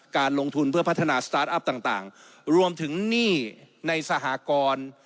การลงทุนเพื่อพัฒนาสตาร์ทอัพต่างรวมถึงหนี้ในสหกร